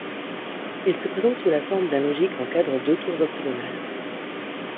Il se présente sous la forme d'un logis qu'encadrent deux tours octogonales.